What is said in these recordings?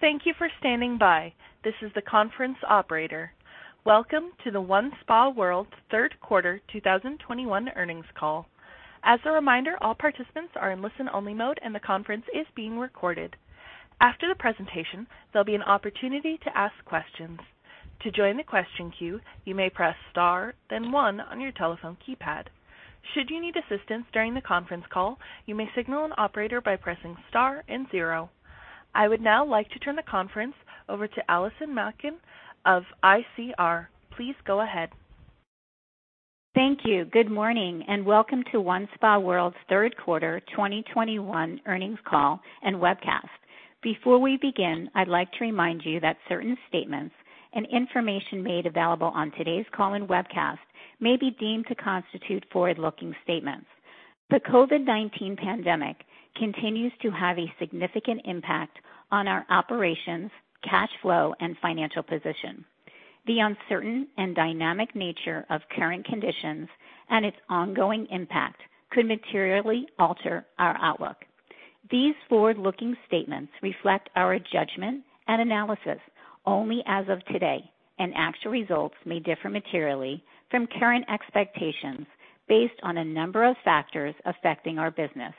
Thank you for standing by. This is the conference operator. Welcome to the OneSpaWorld third quarter 2021 earnings call. As a reminder, all participants are in listen-only mode, and the conference is being recorded. After the presentation, there'll be an opportunity to ask questions. To join the question queue, you may press star then one on your telephone keypad. Should you need assistance during the conference call, you may signal an operator by pressing star and zero. I would now like to turn the conference over to Allison Malkin of ICR. Please go ahead. Thank you. Good morning, and welcome to OneSpaWorld's third quarter 2021 earnings call and webcast. Before we begin, I'd like to remind you that certain statements and information made available on today's call and webcast may be deemed to constitute forward-looking statements. The COVID-19 pandemic continues to have a significant impact on our operations, cash flow, and financial position. The uncertain and dynamic nature of current conditions and its ongoing impact could materially alter our outlook. These forward-looking statements reflect our judgment and analysis only as of today, and actual results may differ materially from current expectations based on a number of factors affecting our business.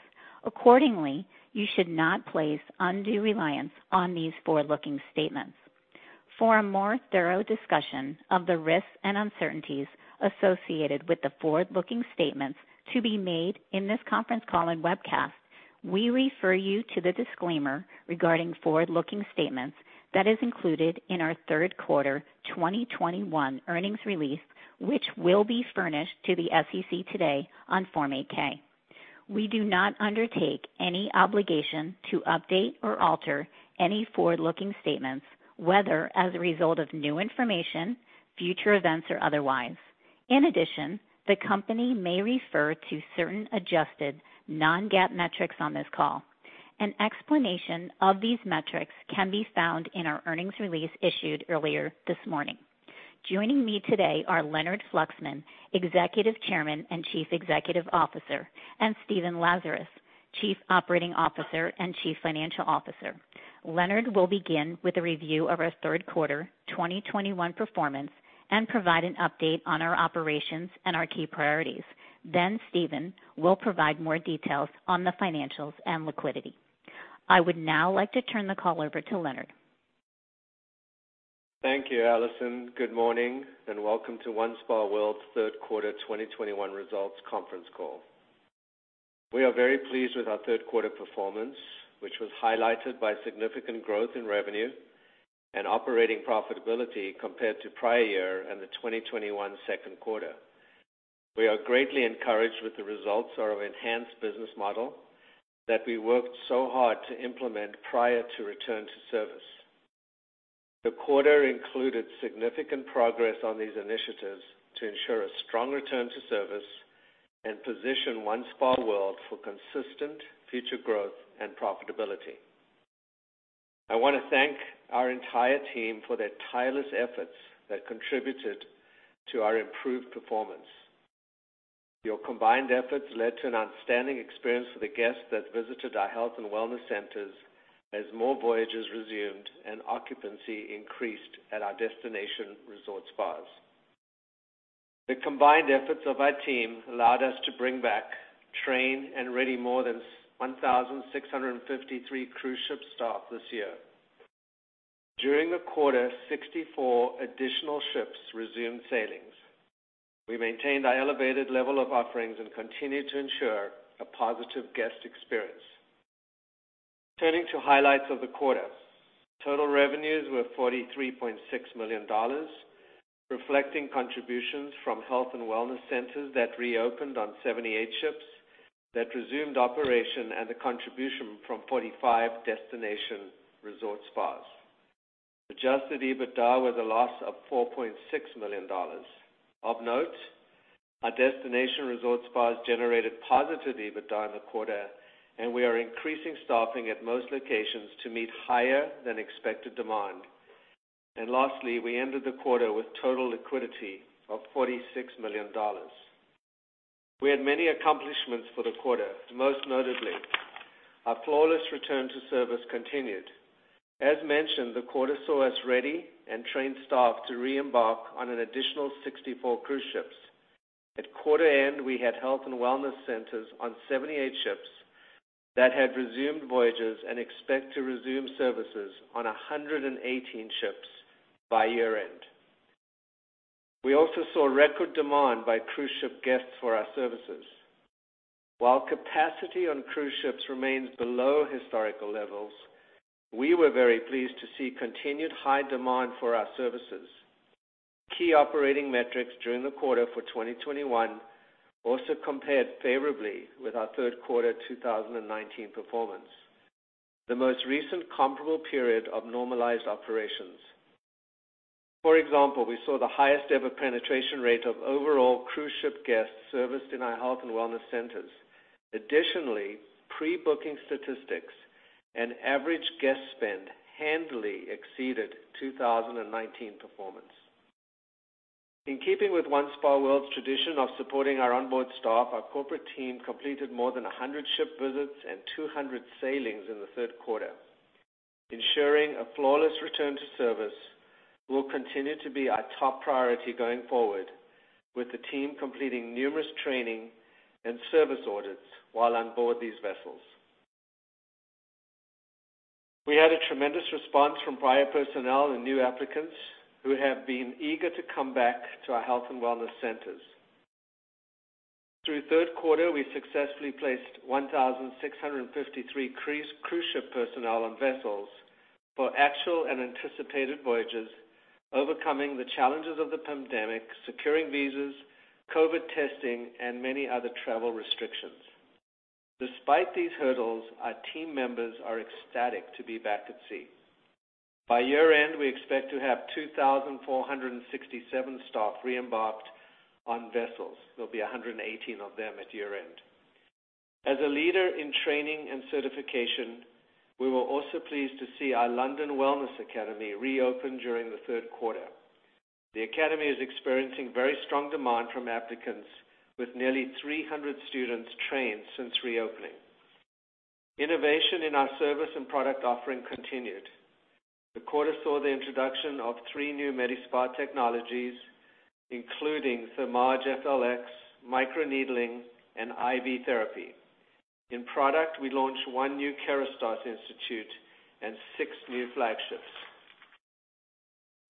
Accordingly, you should not place undue reliance on these forward-looking statements. For a more thorough discussion of the risks and uncertainties associated with the forward-looking statements to be made in this conference call and webcast, we refer you to the disclaimer regarding forward-looking statements that is included in our third quarter 2021 earnings release, which will be furnished to the SEC today on Form 8-K. We do not undertake any obligation to update or alter any forward-looking statements, whether as a result of new information, future events, or otherwise. In addition, the company may refer to certain adjusted non-GAAP metrics on this call. An explanation of these metrics can be found in our earnings release issued earlier this morning. Joining me today are Leonard Fluxman, Executive Chairman and Chief Executive Officer, and Stephen Lazarus, Chief Operating Officer and Chief Financial Officer. Leonard will begin with a review of our third quarter 2021 performance and provide an update on our operations and our key priorities. Stephen will provide more details on the financials and liquidity. I would now like to turn the call over to Leonard. Thank you, Allison. Good morning and welcome to OneSpaWorld's third quarter 2021 results conference call. We are very pleased with our third quarter performance, which was highlighted by significant growth in revenue and operating profitability compared to prior year and the 2021 second quarter. We are greatly encouraged with the results of our enhanced business model that we worked so hard to implement prior to return-to-service. The quarter included significant progress on these initiatives to ensure a strong return-to-service and position OneSpaWorld for consistent future growth and profitability. I want to thank our entire team for their tireless efforts that contributed to our improved performance. Your combined efforts led to an outstanding experience for the guests that visited our health and wellness centers as more voyages resumed and occupancy increased at our destination resort spas. The combined efforts of our team allowed us to bring back, train, and ready more than 1,653 cruise ship staff this year. During the quarter, 64 additional ships resumed sailings. We maintained our elevated level of offerings and continued to ensure a positive guest experience. Turning to highlights of the quarter. Total revenues were $43.6 million, reflecting contributions from health and wellness centers that reopened on 78 ships that resumed operation and the contribution from 45 destination resort spas. Adjusted EBITDA was a loss of $4.6 million. Of note, our destination resort spas generated positive EBITDA in the quarter, and we are increasing staffing at most locations to meet higher than expected demand. Lastly, we ended the quarter with total liquidity of $46 million. We had many accomplishments for the quarter. Most notably, our flawless return to service continued. As mentioned, the quarter saw us ready and trained staff to re-embark on an additional 64 cruise ships. At quarter end, we had health and wellness centers on 78 ships that had resumed voyages and expect to resume services on 118 ships by year-end. We also saw record demand by cruise ship guests for our services. While capacity on cruise ships remains below historical levels, we were very pleased to see continued high demand for our services. Key operating metrics during the quarter for 2021 also compared favorably with our third quarter 2019 performance, the most recent comparable period of normalized operations. For example, we saw the highest ever penetration rate of overall cruise ship guests serviced in our health and wellness centers. Additionally, pre-booking statistics and average guest spend handily exceeded 2019 performance. In keeping with OneSpaWorld's tradition of supporting our onboard staff, our corporate team completed more than 100 ship visits and 200 sailings in the third quarter. Ensuring a flawless return to service will continue to be our top priority going forward, with the team completing numerous training and service orders while on board these vessels. We had a tremendous response from prior personnel and new applicants who have been eager to come back to our health and wellness centers. Through the third quarter, we successfully placed 1,653 cruise ship personnel on vessels for actual and anticipated voyages, overcoming the challenges of the pandemic, securing visas, COVID testing, and many other travel restrictions. Despite these hurdles, our team members are ecstatic to be back at sea. By year-end, we expect to have 2,467 staff re-embarked on vessels. There'll be 118 of them at year-end. As a leader in training and certification, we were also pleased to see our London Wellness Academy reopen during the third quarter. The academy is experiencing very strong demand from applicants, with nearly 300 students trained since reopening. Innovation in our service and product offering continued. The quarter saw the introduction of three new MediSpa technologies, including Thermage FLX, microneedling, and IV therapy. In product, we launched one new Kérastase institute and six new flagships.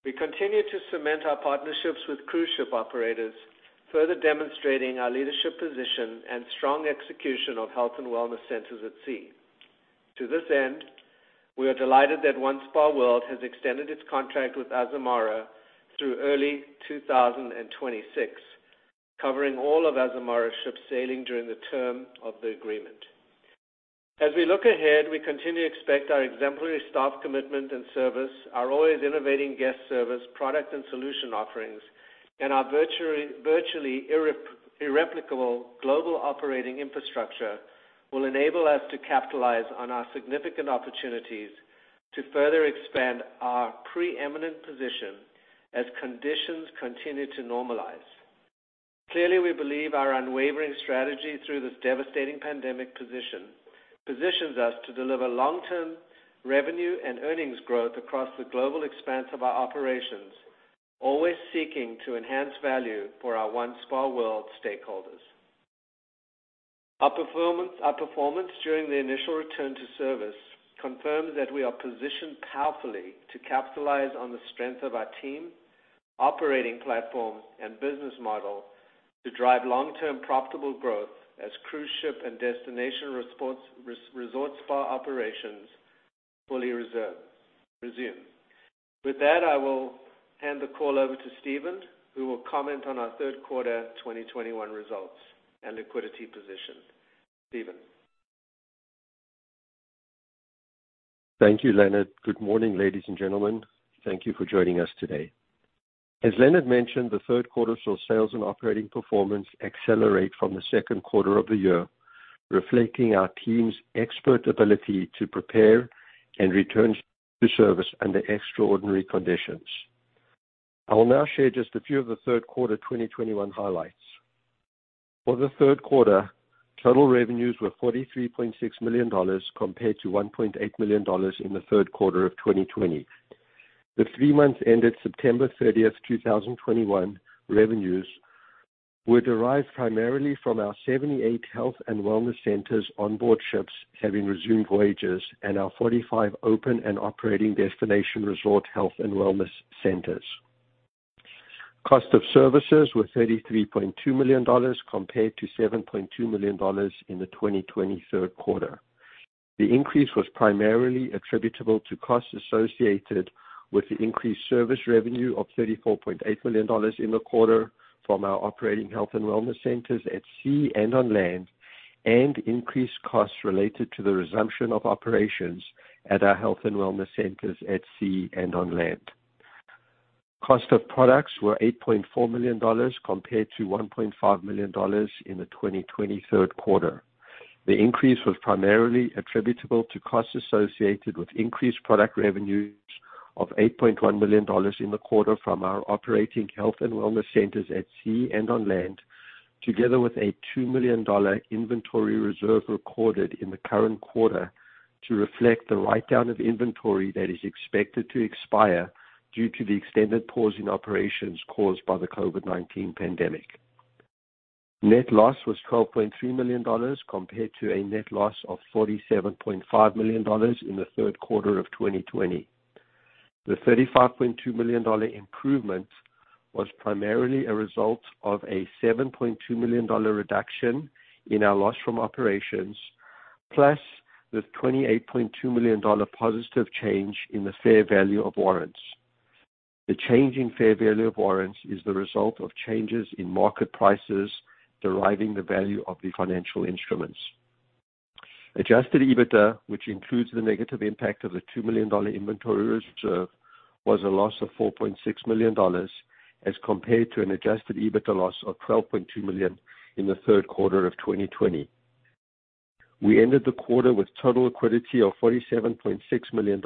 We continue to cement our partnerships with cruise ship operators, further demonstrating our leadership position and strong execution of health and wellness centers at sea. To this end, we are delighted that OneSpaWorld has extended its contract with Azamara through early 2026, covering all of Azamara's ship sailing during the term of the agreement. As we look ahead, we continue to expect our exemplary staff commitment and service, our always innovating guest service, product, and solution offerings, and our virtually irreplicable global operating infrastructure will enable us to capitalize on our significant opportunities to further expand our preeminent position as conditions continue to normalize. Clearly, we believe our unwavering strategy through this devastating pandemic positions us to deliver long-term revenue and earnings growth across the global expanse of our operations, always seeking to enhance value for our OneSpaWorld stakeholders. Our performance during the initial return-to-service confirms that we are positioned powerfully to capitalize on the strength of our team, operating platform, and business model to drive long-term profitable growth as cruise ship and destination resort spa operations fully resume. With that, I will hand the call over to Stephen, who will comment on our third quarter 2021 results and liquidity position. Stephen. Thank you, Leonard. Good morning, ladies and gentlemen. Thank you for joining us today. As Leonard mentioned, the third quarter saw sales and operating performance accelerate from the second quarter of the year, reflecting our team's expert ability to prepare and return to service under extraordinary conditions. I will now share just a few of the third quarter 2021 highlights. For the third quarter, total revenues were $43.6 million compared to $1.8 million in the third quarter of 2020. The three months ended September 30th, 2021, revenues were derived primarily from our 78 health and wellness centers on board ships having resumed voyages and our 45 open and operating destination resort health and wellness centers. Cost of services were $33.2 million compared to $7.2 million in the 2020 third quarter. The increase was primarily attributable to costs associated with the increased service revenue of $34.8 million in the quarter from our operating health and wellness centers at sea and on land, and increased costs related to the resumption of operations at our health and wellness centers at sea and on land. Cost of products were $8.4 million compared to $1.5 million in the 2020 third quarter. The increase was primarily attributable to costs associated with increased product revenues of $8.1 million in the quarter from our operating health and wellness centers at sea and on land, together with a $2 million inventory reserve recorded in the current quarter to reflect the write-down of inventory that is expected to expire due to the extended pause in operations caused by the COVID-19 pandemic. Net loss was $12.3 million compared to a net loss of $47.5 million in the third quarter of 2020. The $35.2 million improvement was primarily a result of a $7.2 million reduction in our loss from operations, plus the $28.2 million positive change in the fair value of warrants. The change in fair value of warrants is the result of changes in market prices driving the value of the financial instruments. Adjusted EBITDA, which includes the negative impact of the $2 million inventory reserve, was a loss of $4.6 million as compared to an Adjusted EBITDA loss of $12.2 million in the third quarter of 2020. We ended the quarter with total liquidity of $47.6 million.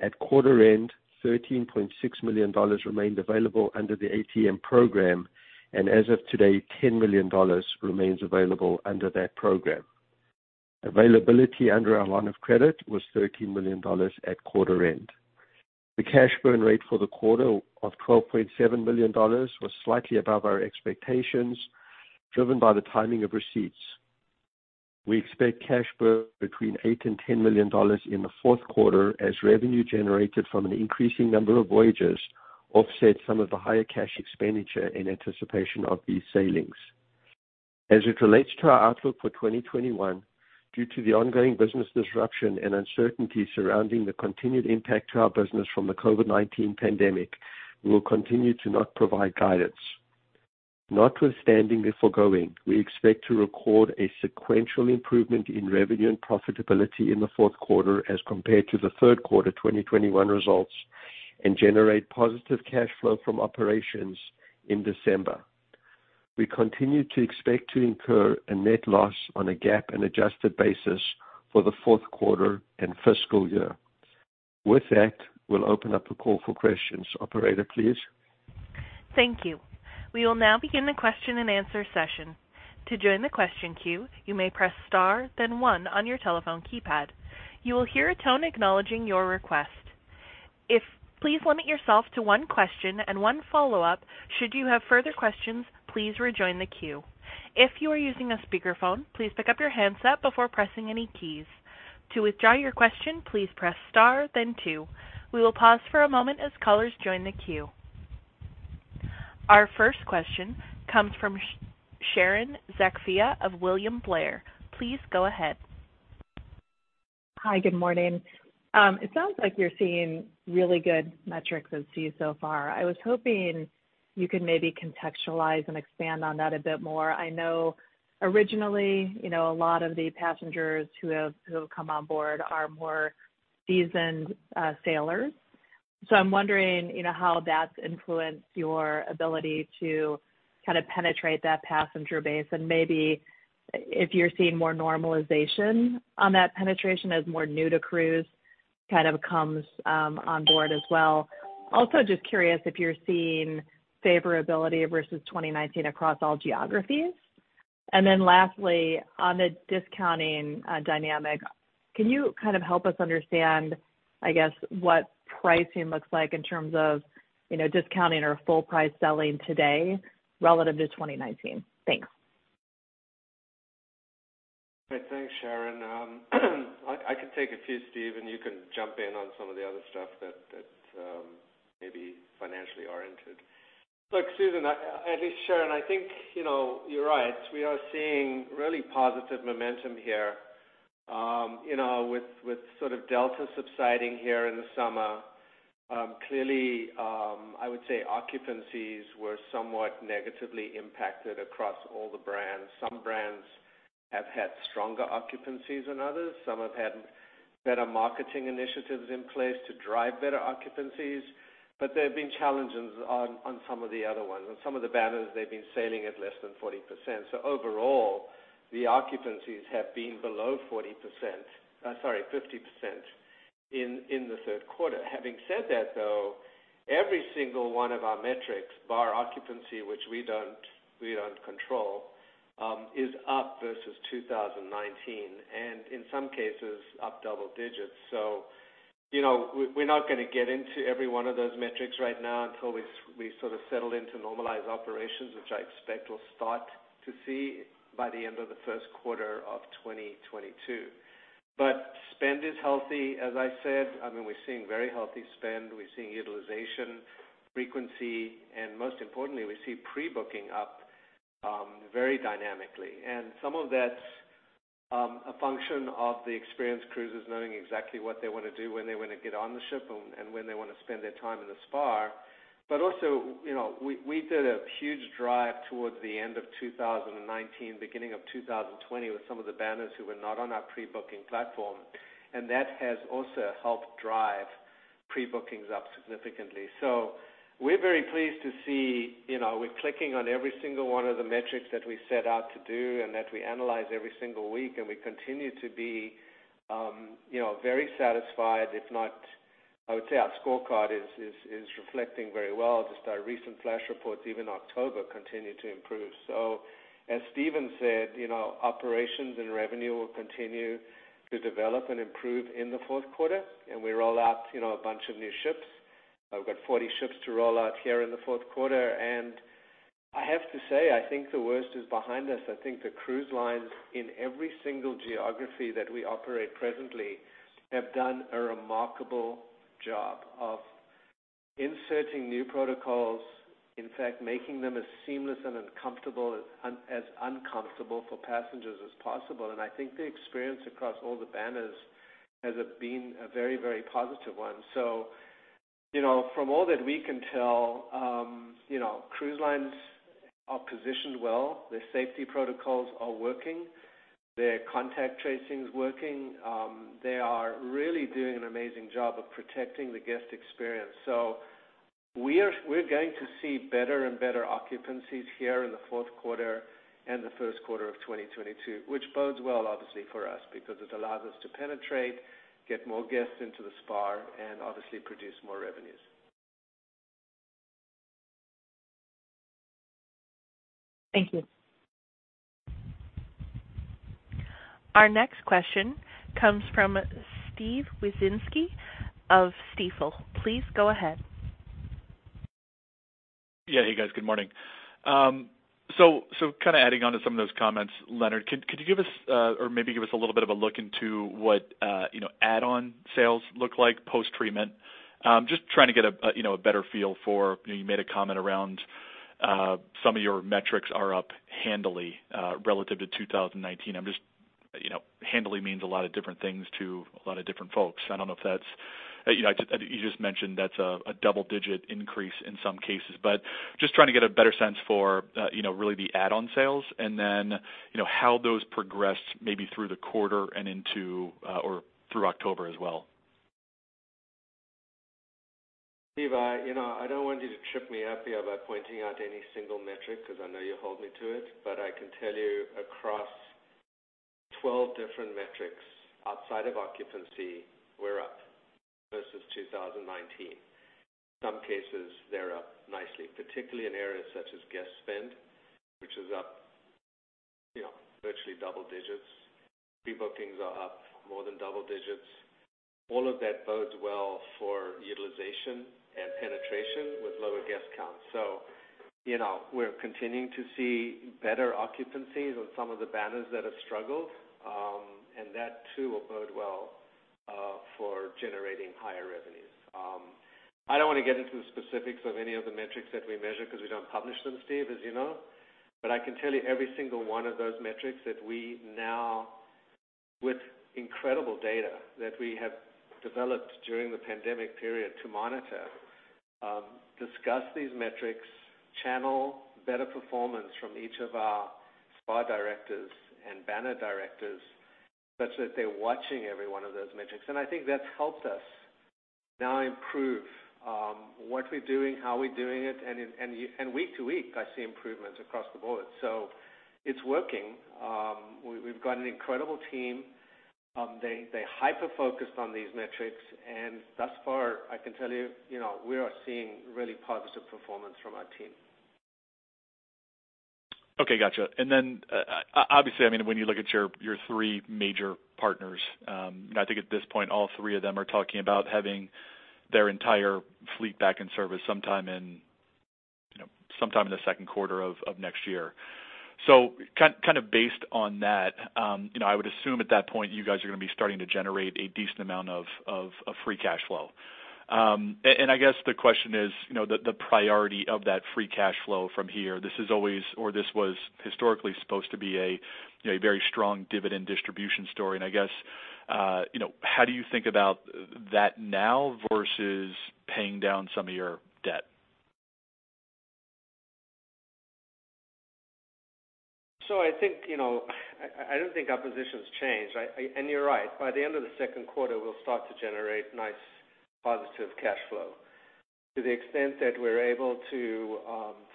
At quarter end, $13.6 million remained available under the ATM program, and as of today, $10 million remains available under that program. Availability under our line of credit was $13 million at quarter end. The cash burn rate for the quarter of $12.7 million was slightly above our expectations, driven by the timing of receipts. We expect cash burn between $8 million and $10 million in the fourth quarter as revenue generated from an increasing number of voyages offset some of the higher cash expenditure in anticipation of these sailings. As it relates to our outlook for 2021, due to the ongoing business disruption and uncertainty surrounding the continued impact to our business from the COVID-19 pandemic, we will continue to not provide guidance. Notwithstanding the foregoing, we expect to record a sequential improvement in revenue and profitability in the fourth quarter as compared to the third quarter 2021 results and generate positive cash flow from operations in December. We continue to expect to incur a net loss on a GAAP and adjusted basis for the fourth quarter and fiscal year. With that, we'll open up the call for questions. Operator, please. Thank you. We will now begin the question-and-answer session. To join the question queue, you may press star then one on your telephone keypad. You will hear a tone acknowledging your request. Please limit yourself to one question and one follow-up. Should you have further questions, please rejoin the queue. If you are using a speakerphone, please pick up your handset before pressing any keys. To withdraw your question, please press star then two. We will pause for a moment as callers join the queue. Our first question comes from Sharon Zackfia of William Blair. Please go ahead. Hi. Good morning. It sounds like you're seeing really good metrics at sea so far. I was hoping you could maybe contextualize and expand on that a bit more. I know originally, you know, a lot of the passengers who have come on board are more seasoned sailors. So I'm wondering, you know, how that's influenced your ability to kind of penetrate that passenger base and maybe if you're seeing more normalization on that penetration as more new to cruise kind of comes on board as well. Also, just curious if you're seeing favorability versus 2019 across all geographies. Then lastly, on the discounting dynamic, can you kind of help us understand, I guess, what pricing looks like in terms of, you know, discounting or full price selling today relative to 2019? Thanks. Thanks, Sharon. I could take a few, Steve, and you can jump in on some of the other stuff that may be financially oriented. Look, Sharon, I think, you know, you're right. We are seeing really positive momentum here. You know, with sort of Delta subsiding here in the summer, clearly, I would say occupancies were somewhat negatively impacted across all the brands. Some brands have had stronger occupancies than others. Some have had better marketing initiatives in place to drive better occupancies. There have been challenges on some of the other ones. On some of the banners, they've been sailing at less than 40%. Overall, the occupancies have been below 40%, sorry, 50% in the third quarter. Having said that, though, every single one of our metrics, bar occupancy, which we don't control, is up versus 2019, and in some cases, up double digits. You know, we're not gonna get into every one of those metrics right now until we sort of settle into normalized operations, which I expect we'll start to see by the end of the first quarter of 2022. Spend is healthy, as I said. I mean, we're seeing very healthy spend. We're seeing utilization, frequency, and most importantly, we see pre-booking up very dynamically. Some of that's a function of the experienced cruisers knowing exactly what they want to do, when they want to get on the ship, and when they want to spend their time in the spa. Also, you know, we did a huge drive towards the end of 2019, beginning of 2020 with some of the banners who were not on our pre-booking platform, and that has also helped drive pre-bookings up significantly. We're very pleased to see, you know, we're clicking on every single one of the metrics that we set out to do and that we analyze every single week, and we continue to be, you know, very satisfied, if not I would say our scorecard is reflecting very well. Just our recent flash reports, even October, continue to improve. As Stephen said, you know, operations and revenue will continue to develop and improve in the fourth quarter, and we roll out, you know, a bunch of new ships. We've got 40 ships to roll out here in the fourth quarter. I have to say, I think the worst is behind us. I think the cruise lines in every single geography that we operate presently have done a remarkable job of inserting new protocols. In fact, making them as seamless and as comfortable for passengers as possible. I think the experience across all the banners has been a very, very positive one. So, you know, from all that we can tell, you know, cruise lines are positioned well. Their safety protocols are working. Their contact tracing is working. They are really doing an amazing job of protecting the guest experience. We are going to see better and better occupancies here in the fourth quarter and the first quarter of 2022, which bodes well obviously for us because it allows us to penetrate, get more guests into the spa, and obviously produce more revenues. Thank you. Our next question comes from Steve Wieczynski of Stifel. Please go ahead. Yeah. Hey, guys. Good morning. Kind of adding on to some of those comments, Leonard, could you give us, or maybe give us a little bit of a look into what, you know, add-on sales look like post-treatment? Just trying to get a you know, a better feel for, you know, you made a comment around, some of your metrics are up handily, relative to 2019. I'm just, you know, handily means a lot of different things to a lot of different folks. I don't know if that's you know, I just you just mentioned that's a double-digit increase in some cases. Just trying to get a better sense for, you know, really the add-on sales and then, you know, how those progressed maybe through the quarter and into, or through October as well. Steve, you know, I don't want you to trip me up here by pointing out any single metric because I know you'll hold me to it. I can tell you across 12 different metrics outside of occupancy, we're up versus 2019. In some cases, they're up nicely, particularly in areas such as guest spend, which is up, you know, virtually double digits. Rebookings are up more than double digits. All of that bodes well for utilization and penetration with lower guest counts. You know, we're continuing to see better occupancies on some of the banners that have struggled, and that too will bode well for generating higher revenues. I don't wanna get into the specifics of any of the metrics that we measure because we don't publish them, Steve, as you know. I can tell you every single one of those metrics that we now with incredible data that we have developed during the pandemic period to monitor, discuss these metrics, channel better performance from each of our spa directors and banner directors, such that they're watching every one of those metrics. I think that's helped us now improve what we're doing, how we're doing it, and week-to-week, I see improvements across the board. It's working. We've got an incredible team. They hyper-focused on these metrics, and thus far, I can tell you know, we are seeing really positive performance from our team. Okay. Gotcha. Obviously, I mean, when you look at your three major partners, and I think at this point, all three of them are talking about having their entire fleet back in service sometime in, you know, the second quarter of next year. Kind of based on that, you know, I would assume at that point you guys are gonna be starting to generate a decent amount of free cash flow. I guess the question is, you know, the priority of that free cash flow from here. This is always or this was historically supposed to be a, you know, a very strong dividend distribution story. I guess, you know, how do you think about that now versus paying down some of your debt? I think I don't think our position's changed. You're right. By the end of the second quarter, we'll start to generate nice positive cash flow. To the extent that we're able to,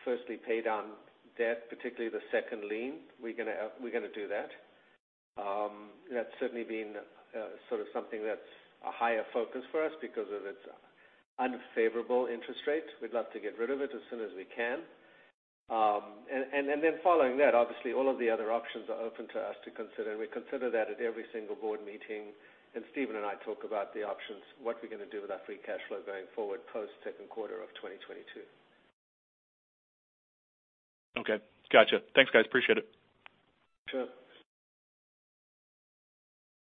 firstly pay down debt, particularly the second lien, we're gonna do that. That's certainly been sort of something that's a higher focus for us because of its unfavorable interest rate. We'd love to get rid of it as soon as we can. And then following that, obviously, all of the other options are open to us to consider, and we consider that at every single board meeting. Stephen and I talk about the options, what we're gonna do with our free cash flow going forward post second quarter of 2022. Okay. Gotcha. Thanks, guys. Appreciate it. Sure.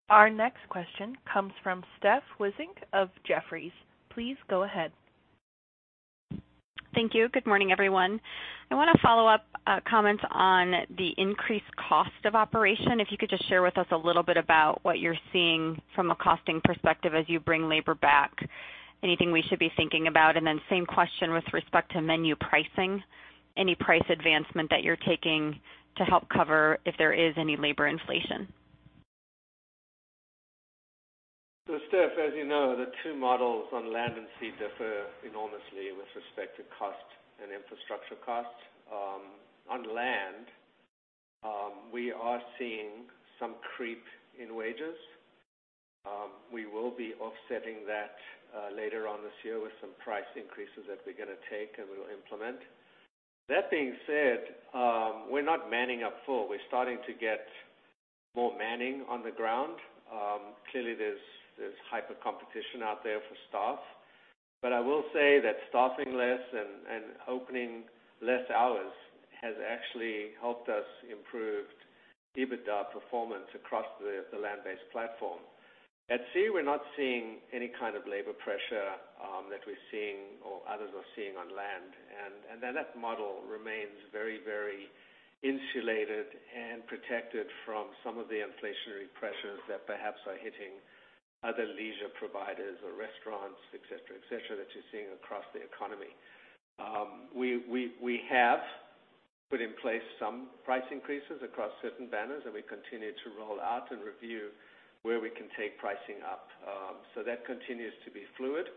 Our next question comes from Steph Wissink of Jefferies. Please go ahead. Thank you. Good morning, everyone. I wanna follow up comments on the increased cost of operation. If you could just share with us a little bit about what you're seeing from a costing perspective as you bring labor back. Anything we should be thinking about? Same question with respect to menu pricing. Any price advancement that you're taking to help cover if there is any labor inflation. Steph, as you know, the two models on land and sea differ enormously with respect to cost and infrastructure costs. On land, we are seeing some creep in wages. We will be offsetting that later on this year with some price increases that we're gonna take and we'll implement. That being said, we're not manning up full. We're starting to get more manning on the ground. Clearly there's hyper competition out there for staff. I will say that staffing less and opening less hours has actually helped us improve EBITDA performance across the land-based platform. At sea, we're not seeing any kind of labor pressure that we're seeing or others are seeing on land. That model remains very, very insulated and protected from some of the inflationary pressures that perhaps are hitting other leisure providers or restaurants, et cetera, et cetera, that you're seeing across the economy. We have put in place some price increases across certain banners, and we continue to roll out and review where we can take pricing up. That continues to be fluid,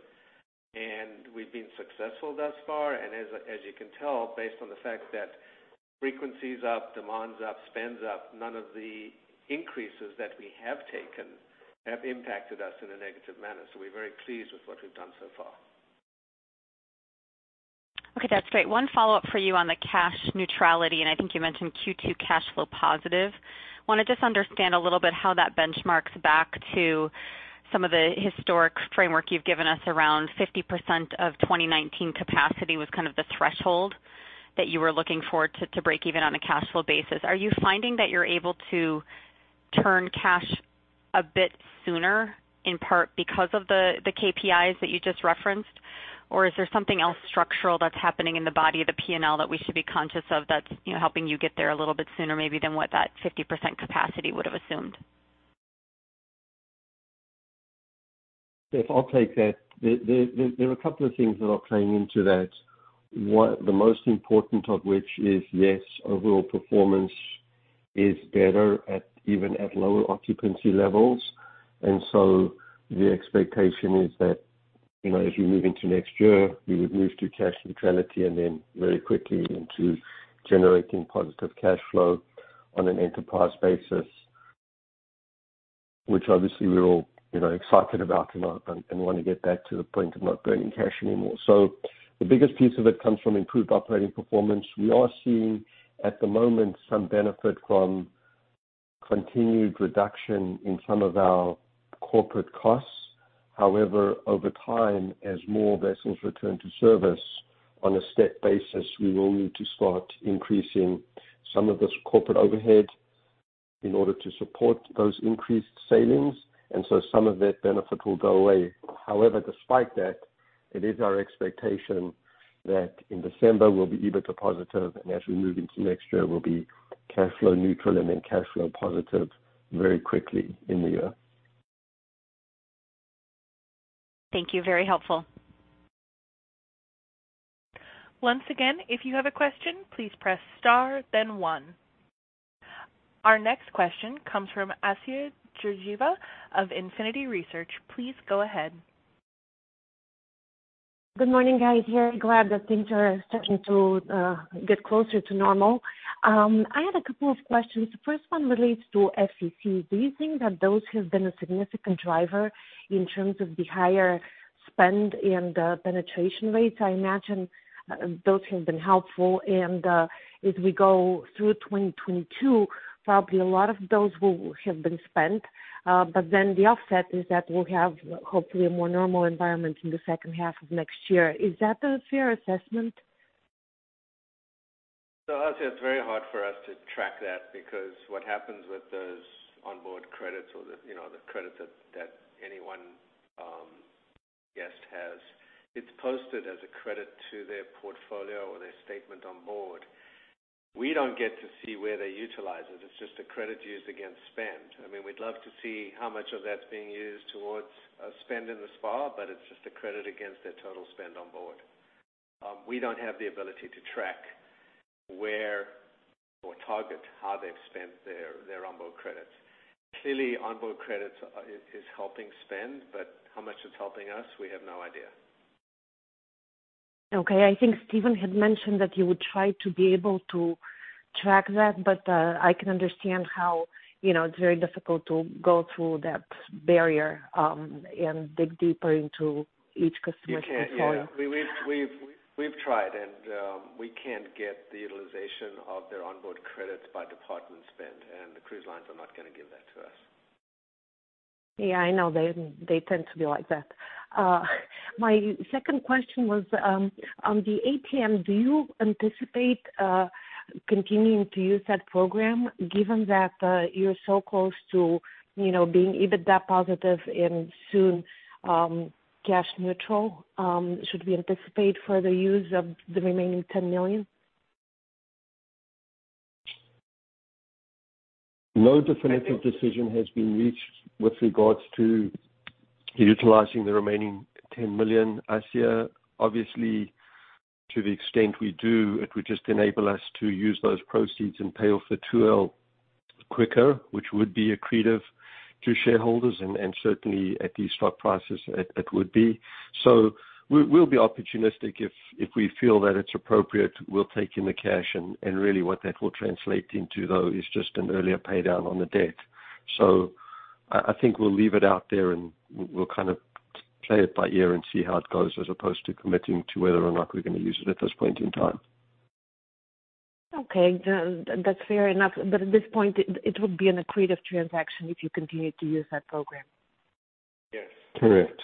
and we've been successful thus far. As you can tell, based on the fact that frequency's up, demand's up, spend's up, none of the increases that we have taken have impacted us in a negative manner. We're very pleased with what we've done so far. Okay, that's great. One follow-up for you on the cash neutrality, and I think you mentioned Q2 cash flow positive. Wanna just understand a little bit how that benchmarks back to some of the historic framework you've given us around 50% of 2019 capacity was kind of the threshold that you were looking for to break even on a cash flow basis. Are you finding that you're able to turn cash a bit sooner, in part because of the KPIs that you just referenced? Or is there something else structural that's happening in the body of the P&L that we should be conscious of that's, you know, helping you get there a little bit sooner, maybe than what that 50% capacity would have assumed? Steph, I'll take that. There are a couple of things that are playing into that. One, the most important of which is, yes, overall performance is better at even lower occupancy levels. The expectation is that, you know, as you move into next year, we would move to cash neutrality and then very quickly into generating positive cash flow on an enterprise basis, which obviously we're all, you know, excited about and wanna get back to the point of not burning cash anymore. The biggest piece of it comes from improved operating performance. We are seeing, at the moment, some benefit from continued reduction in some of our corporate costs. However, over time, as more vessels return to service on a step basis, we will need to start increasing some of this corporate overhead in order to support those increased sailings. Some of that benefit will go away. However, despite that, it is our expectation that in December we'll be EBITDA positive, and as we move into next year, we'll be cash flow neutral and then cash flow positive very quickly in the year. Thank you. Very helpful. Once again, if you have a question, please press star then one. Our next question comes from Assia Georgieva of Infinity Research. Please go ahead. Good morning, guys. Very glad that things are starting to get closer to normal. I had a couple of questions. The first one relates to FCC. Do you think that those have been a significant driver in terms of the higher spend and penetration rates? I imagine those have been helpful, and as we go through 2022, probably a lot of those will have been spent. The offset is that we'll have hopefully a more normal environment in the second half of next year. Is that a fair assessment? Assia, it's very hard for us to track that because what happens with those onboard credits or the, you know, the credit that that any one guest has, it's posted as a credit to their portfolio or their statement on board. We don't get to see where they utilize it. It's just a credit used against spend. I mean, we'd love to see how much of that's being used towards spend in the spa, but it's just a credit against their total spend on board. We don't have the ability to track where or target how they've spent their their onboard credits. Clearly, onboard credits is helping spend, but how much it's helping us, we have no idea. Okay. I think Stephen had mentioned that you would try to be able to track that, but, I can understand how, you know, it's very difficult to go through that barrier, and dig deeper into each customer's portfolio. You can't. Yeah. We've tried, and we can't get the utilization of their onboard credits by department spend, and the cruise lines are not gonna give that to us. Yeah, I know. They tend to be like that. My second question was on the ATM. Do you anticipate continuing to use that program given that you're so close to, you know, being EBITDA positive and soon cash neutral? Should we anticipate further use of the remaining $10 million? No definitive decision has been reached with regards to utilizing the remaining $10 million, Assia. Obviously, to the extent we do, it would just enable us to use those proceeds and pay off the 2L quicker, which would be accretive to shareholders and certainly at these stock prices it would be. We'll be opportunistic. If we feel that it's appropriate, we'll take in the cash, and really what that will translate into though is just an earlier pay down on the debt. I think we'll leave it out there, and we'll kind of play it by ear and see how it goes as opposed to committing to whether or not we're gonna use it at this point in time. Okay. That's fair enough. At this point it would be an accretive transaction if you continue to use that program. Yes. Correct.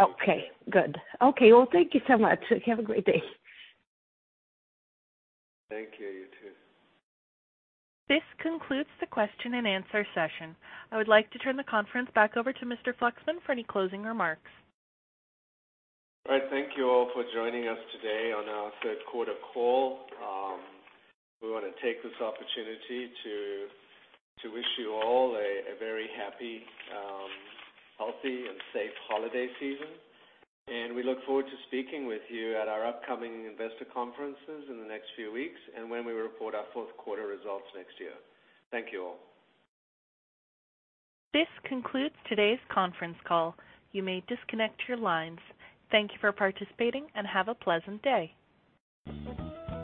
Okay, good. Okay, well, thank you so much. Have a great day. Thank you. You too. This concludes the question and answer session. I would like to turn the conference back over to Mr. Fluxman for any closing remarks. All right. Thank you all for joining us today on our third quarter call. We wanna take this opportunity to wish you all a very happy, healthy, and safe holiday season. We look forward to speaking with you at our upcoming investor conferences in the next few weeks and when we report our fourth quarter results next year. Thank you all. This concludes today's conference call. You may disconnect your lines. Thank you for participating and have a pleasant day.